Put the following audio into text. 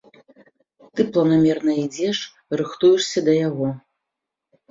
Ты планамерна ідзеш, рыхтуешся да яго.